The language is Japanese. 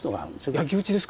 焼き打ちですか？